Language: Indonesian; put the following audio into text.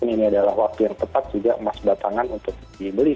ini adalah waktu yang tepat juga emas batangan untuk dibeli